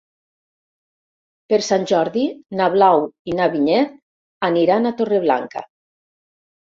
Per Sant Jordi na Blau i na Vinyet aniran a Torreblanca.